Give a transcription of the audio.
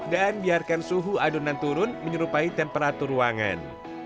dan biarkan suhu adonan turun menyerupai temperatur ruangan